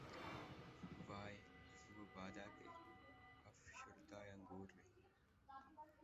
وائے! وہ بادہ کہ‘ افشردۂ انگور نہیں